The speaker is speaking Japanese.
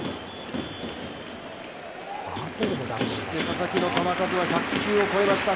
そして佐々木の球数は１００球を超えました。